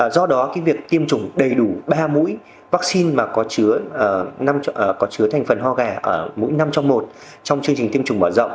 do đó việc tiêm chủng đầy đủ ba mũi vaccine có chứa thành phần hoa gà ở mũi năm trong một trong chương trình tiêm chủng mở rộng